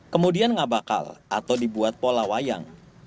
kemudian ngabakal atau dibuat pola wayang